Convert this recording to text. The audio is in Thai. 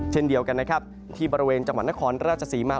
เช่นเดียวกันนะครับที่บริเวณจังหวัดนครราชศรีมา